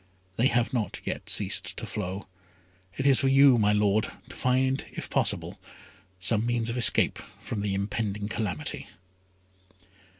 They have not yet ceased to flow. It is for you, my Lord, to find, if possible, some means of escape from the impending calamity."